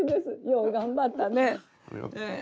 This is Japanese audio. よう頑張ったね。